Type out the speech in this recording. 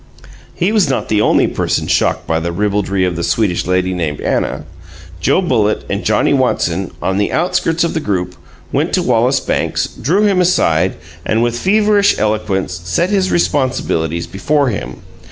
He was not the only person shocked by the ribaldry of the Swedish lady named Anna. Joe Bullitt and Johnnie Watson, on the outskirts of the group, went to Wallace Banks, drew him aside, and, with feverish eloquence, set his responsibilities before him.